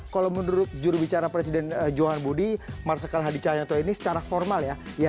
kalau menurut jurubicara presiden johan budi marsikal hadi cahyanto ini secara formal ya